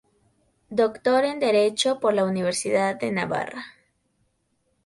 Doctor en Derecho por la Universidad de Navarra.